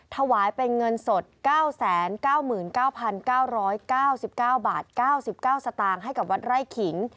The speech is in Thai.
ถวายเป็นเงินสด๙๙๙๙๙๙๙๙บาท๙๙สตางค์ให้กับวัดไร่ขิง